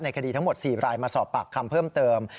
คดีทั้งหมด๔รายมาสอบปากคำเพิ่มเติม